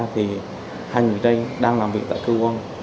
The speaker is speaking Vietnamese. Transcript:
thì hai người đây đang làm việc tại cư quân